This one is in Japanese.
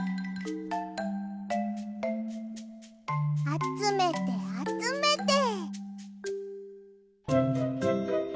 あつめてあつめて！